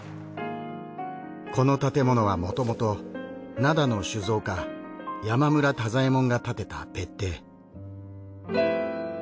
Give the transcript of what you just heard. この建物はもともと灘の酒造家山邑太座衛門が建てた別邸。